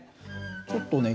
ちょっとね